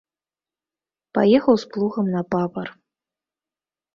Паехаў з плугам на папар.